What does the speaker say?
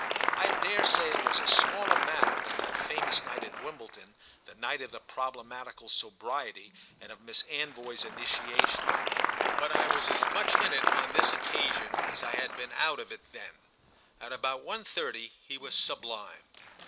I dare say it was a smaller matter than that famous night at Wimbledon, the night of the problematical sobriety and of Miss Anvoy's initiation; but I was as much in it on this occasion as I had been out of it then. At about 1.30 he was sublime.